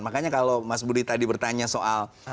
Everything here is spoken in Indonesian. makanya kalau mas budi tadi bertanya soal